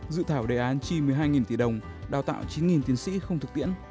dự thảo đề án chi một mươi hai tỷ đồng đào tạo chín tiến sĩ không thực tiễn